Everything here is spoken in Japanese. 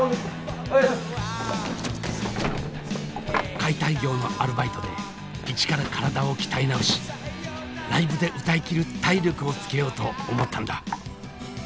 解体業のアルバイトで一から体を鍛え直しライブで歌いきる体力をつけようと思ったんだ。